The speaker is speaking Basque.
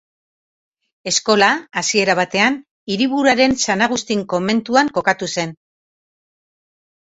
Eskola hasiera batean hiriburuaren San Agustin komentuan kokatu zen.